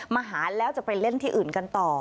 มาหาแล้วจะไปเล่นที่อื่นกันต่อ